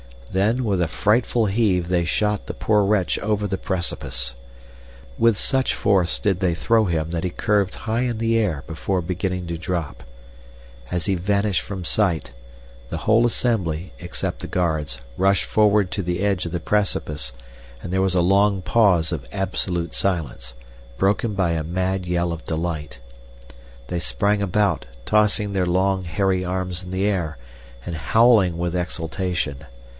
Then, with a frightful heave they shot the poor wretch over the precipice. With such force did they throw him that he curved high in the air before beginning to drop. As he vanished from sight, the whole assembly, except the guards, rushed forward to the edge of the precipice, and there was a long pause of absolute silence, broken by a mad yell of delight. They sprang about, tossing their long, hairy arms in the air and howling with exultation.